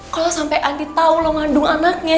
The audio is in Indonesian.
kalau sampe anti tau lo ngandung anaknya